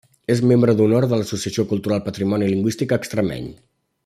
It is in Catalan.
És membre d'honor de l'Associació Cultural Patrimoni Lingüístic Extremeny.